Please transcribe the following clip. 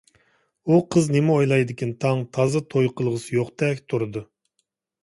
ئۇ قىز نېمە ئويلايدىكىن تاڭ، تازا توي قىلغۇسى يوقتەك تۇرىدۇ.